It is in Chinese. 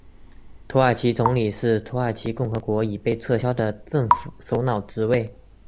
土耳其总理是土耳其共和国已被撤销的政府首脑职位。